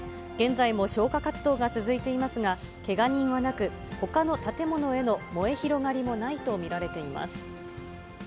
現在も消火活動が続いていますが、けが人はなく、ほかの建物への燃え広がりもないと見られています。